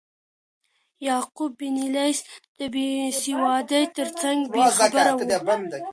یعقوب بن لیث د بیسوادۍ ترڅنګ بې خبره و.